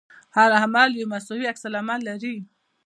هر عمل یو مساوي عکس العمل لري.